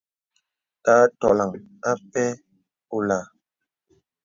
Tà tɔləŋ a n̄zɔl apɛ̂ ùlāā.